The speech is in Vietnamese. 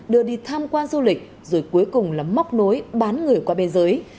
đưa đi tham quan du lịch rồi cuối cùng là móc nối bán người qua biên giới